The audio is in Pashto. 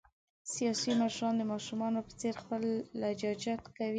سیاسي مشران د ماشومان په څېر خپل لجاجت کوي.